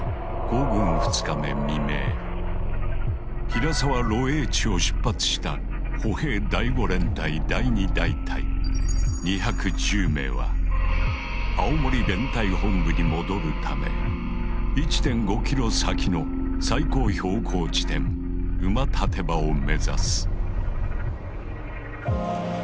平沢露営地を出発した歩兵第５連隊第２大隊２１０名は青森連隊本部に戻るため１．５ｋｍ先の最高標高地点馬立場を目指す。